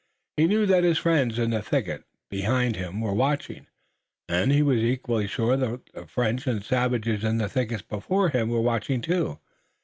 He knew that his friends in the thickets behind him were watching, and he was equally sure that French and savages in the thickets before him were watching too.